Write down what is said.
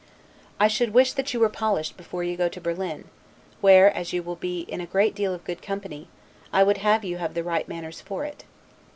I should wish that you were polished before you go to Berlin; where, as you will be in a great deal of good company, I would have you have the right manners for it.